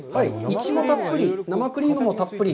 イチゴたっぷり、生クリームもたっぷり。